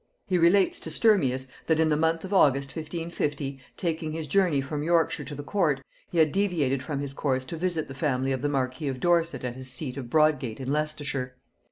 He relates to Sturmius, that in the month of August 1550, taking his journey from Yorkshire to the court, he had deviated from his course to visit the family of the marquis of Dorset at his seat of Broadgate in Leicestershire.